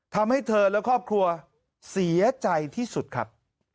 ทำให้เธอและครอบครัวเสียใจที่สุดครับ